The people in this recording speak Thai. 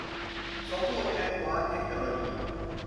สมบูรณ์ แอ๊ดวานซ์ เทคโนโลยี